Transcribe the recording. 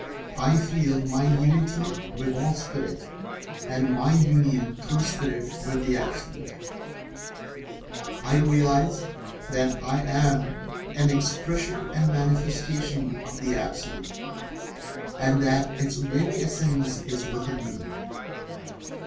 I feel my unity with all Spirit, and my Union (through Spirit) with the Absolute. I realize that "I" am an Expression and Manifestation of the Absolute, and that its very essence is within me.